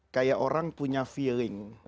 kayak orang punya feeling